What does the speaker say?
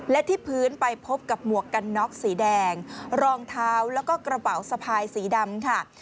และที่พื้นไปพบกับหมวกกันน็อกสีแดงรองเท้าแล้วก็กระเป๋าสะพายสีดำค่ะ